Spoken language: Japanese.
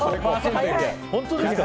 本当ですか？